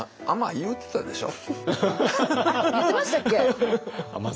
言ってましたっけ！？